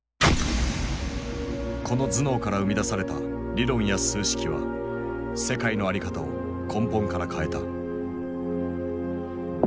この頭脳から生み出された理論や数式は世界の在り方を根本から変えた。